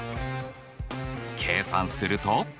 計算すると。